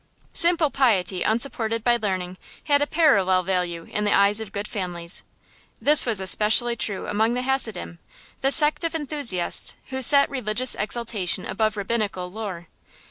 Simple piety unsupported by learning had a parallel value in the eyes of good families. This was especially true among the Hasidim, the sect of enthusiasts who set religious exaltation above rabbinical lore.